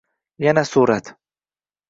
Yana surat…